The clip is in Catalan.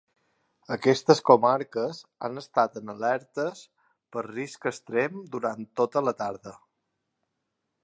Aquestes comarques han estat en alertes per risc extrem durant tota la tarda.